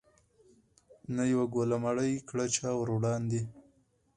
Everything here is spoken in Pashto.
نه یوه ګوله مړۍ کړه چا وروړاندي